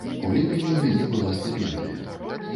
У ліпені ў мяне была стыпендыя.